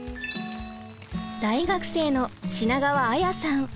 大学生の品川彩さん。